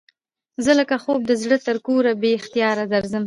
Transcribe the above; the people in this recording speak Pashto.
زه لکه خوب د زړه تر کوره بې اختیاره درځم